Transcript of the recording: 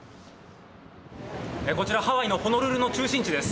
こちら、ハワイのホノルルの中心地です。